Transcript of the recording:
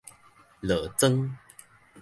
落妝